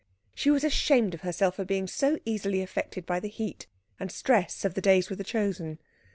She was ashamed of herself for being so easily affected by the heat and stress of the days with the Chosen.